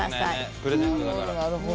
プレゼントだから。